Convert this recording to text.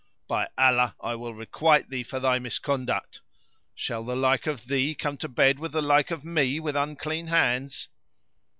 By Allah, I will requite thee for thy misconduct. Shall the like of thee come to bed with the like of me with unclean hands?"